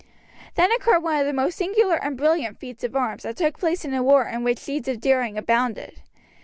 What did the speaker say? Then occurred one of the most singular and brilliant feats of arms that took place in a war in which deeds of daring abounded.